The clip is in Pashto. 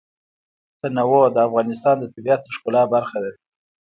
تنوع د افغانستان د طبیعت د ښکلا برخه ده.